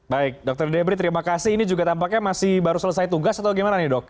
baik dr debrie terima kasih ini juga tampaknya masih baru selesai tugas atau bagaimana dok